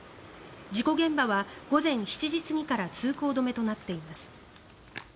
事故現場は午前７時過ぎから通行止めとなっています。